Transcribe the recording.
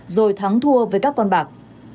rồi thắng thua với các con bạc